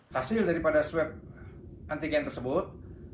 hasil daripada swab antigen tersebut